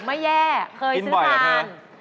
ไม่แย่เคยซื้อนาน